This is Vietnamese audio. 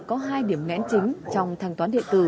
có hai điểm ngãn chính trong thanh toán